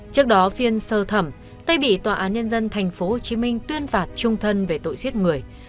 trước đó phiên sơ thẩm tây bị tòa án nhân dân tp hcm tuyên phạt trung thân về tội giết người